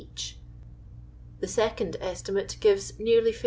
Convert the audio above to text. each; the second estimate gives nearly 15